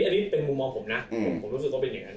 อันนี้เป็นมุมมองผมนะผมรู้สึกว่าเป็นอย่างนั้น